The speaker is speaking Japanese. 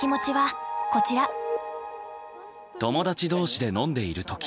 友達同士で飲んでいる時。